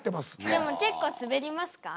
でも結構スベりますか？